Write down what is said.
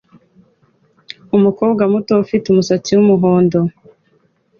Umukobwa muto ufite umusatsi wumuhondo